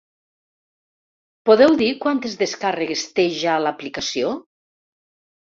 Podeu dir quantes descàrregues té ja l’aplicació?